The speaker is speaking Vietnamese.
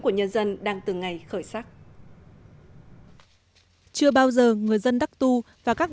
của nhân dân đang từng ngày khởi sắc chưa bao giờ người dân đắc tu và các